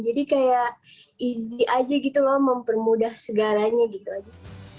jadi kayak easy aja gitu loh mempermudah segaranya gitu aja